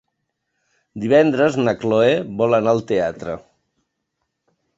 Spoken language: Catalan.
Divendres na Cloè vol anar al teatre.